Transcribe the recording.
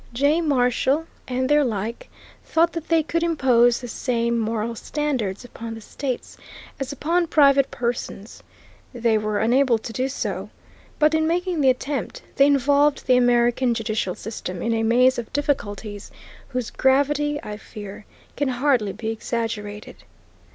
Jay, Marshall, and their like, thought that they could impose the same moral standard upon the states as upon private persons; they were unable to do so, but in making the attempt they involved the American judicial system in a maze of difficulties whose gravity, I fear, can hardly be exaggerated.